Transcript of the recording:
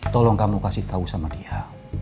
tolong kamu kasih tahu sama dia